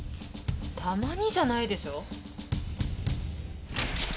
「たまに」じゃないでしょう！？